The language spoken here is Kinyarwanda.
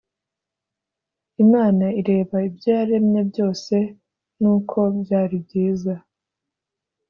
“imana ireba ibyo yaremye byose n’uko byari byiza,